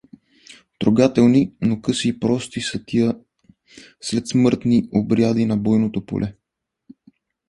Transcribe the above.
Трогателни, но къси и прости са тия следсмъртнн обряди на бойното поле.